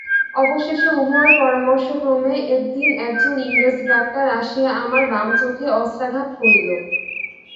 অবশেষে উভয়ের পরামর্শক্রমে এখদিন একজন ইংরাজ ডাক্তার আসিয়া আমার বাম চোখে অস্ত্রাঘাত করিল।